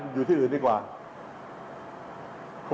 เพื่อเล่นตลกหาเงินครับ